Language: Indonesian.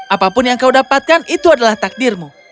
apapun yang kau dapatkan itu adalah takdirmu